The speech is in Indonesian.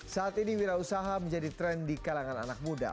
saat ini wira usaha menjadi tren di kalangan anak muda